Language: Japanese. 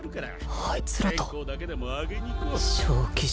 あいつらと？